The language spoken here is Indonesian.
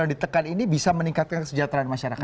yang di tekan ini bisa meningkatkan kesejahteraan masyarakat